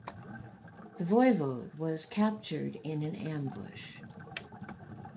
The voivode was captured in an ambush.